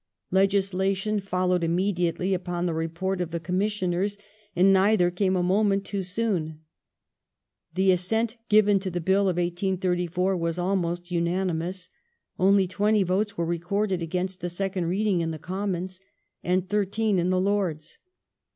Legislation followed immediately upon the Report of the Com missiojiei s ; and neither came a moment too soon. The assent given* to the Bill of 1834 was almost unanimous ; only 20 votes were i ecorded against the second reading in the Commons, and 13 in the Lords.